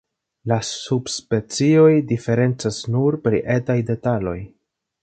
La subspecioj diferencas nur pri etaj detaloj.